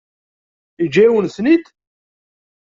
Yeǧǧa-yawen-ten-id?